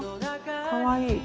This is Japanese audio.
かわいい。